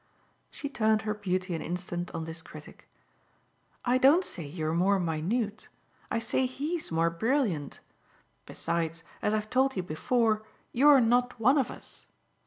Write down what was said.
She turned her beauty an instant on this critic. "I don't say you're more minute I say he's more brilliant. Besides, as I've told you before, you're not one of us."